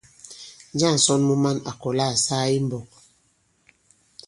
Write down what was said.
Njâŋ ǹsɔn mu man à kɔ̀la à saa i mbɔk?